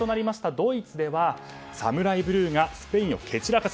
ドイツではサムライブルーがスペインを蹴散らかす。